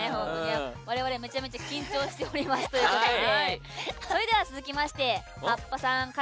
我々めちゃめちゃ緊張しておりますということで。